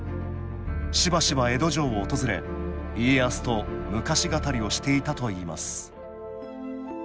しばしば江戸城を訪れ家康と昔語りをしていたといいます